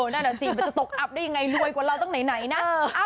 น่าจะตกอาบได้ยังไงรวยกว่าเราต้องไหนนะ